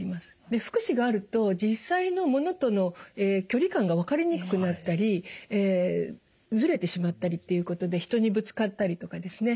で複視があると実際の物との距離感が分かりにくくなったりずれてしまったりっていうことで人にぶつかったりとかですね